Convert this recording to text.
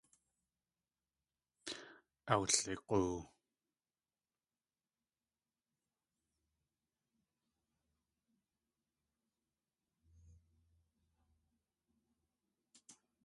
Awlig̲oo.